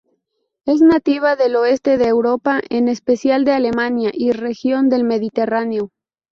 Es nativa del oeste de Europa en especial de Alemania y región del Mediterráneo.